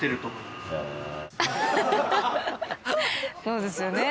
そうですよね。